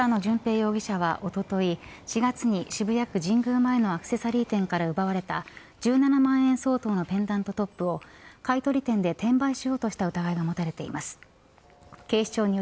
原野純平容疑者はおととい４月に渋谷区神宮前のアクセサリー店から奪われた１７万円相当のペンダントトップを買い取り店で転売しようとした疑いが持たれています。